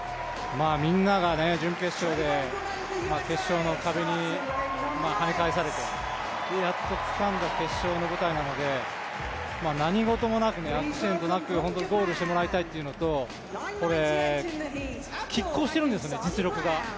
みんなが準決勝で、決勝の壁にはね返されてやっとつかんだ決勝の舞台なので、何事もなくアクシデントなくゴールしてもらいたいというのときっ抗しているんですね、実力が。